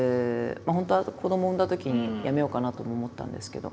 本当は子どもを産んだときに辞めようかなとも思ったんですけど。